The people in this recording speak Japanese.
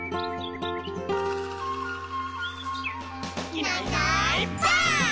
「いないいないばあっ！」